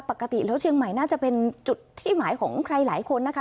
ปกติแล้วเชียงใหม่น่าจะเป็นจุดที่หมายของใครหลายคนนะคะ